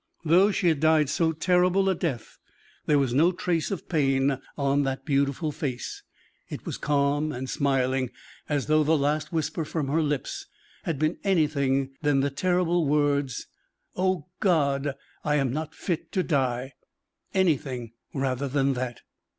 Though she had died so terrible a death, there was no trace of pain on the beautiful face: it was calm and smiling, as though the last whisper from her lips had been anything rather than the terrible words. "Oh, God! I am not fit to die!" anything rather than that.